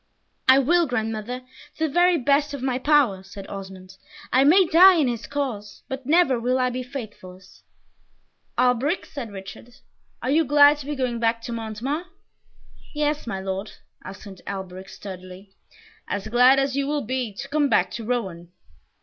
"I will, grandmother, to the very best of my power," said Osmond; "I may die in his cause, but never will I be faithless!" "Alberic!" said Richard, "are you glad to be going back to Montemar?" "Yes, my Lord," answered Alberic, sturdily, "as glad as you will be to come back to Rouen."